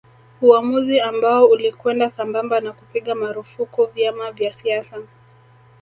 Uamuzi ambao ulikwenda sambamba na kupiga marufuku vyama vya siasa